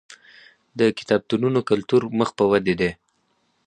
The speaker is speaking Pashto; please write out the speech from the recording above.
د کتابتونونو کلتور مخ په ودې دی.